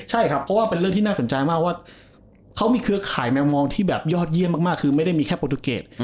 ใช่ครับเพราะว่าเป็นเรื่องที่น่าสนใจมากว่าเขามีเครือข่ายแมวมองที่แบบยอดเยี่ยมมากคือไม่ได้มีแค่โปรตูเกต